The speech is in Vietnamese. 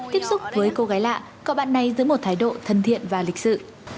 tiếp xúc với cô gái lạ cọ bạn này dưới một thái độ thân thiện và lịch sự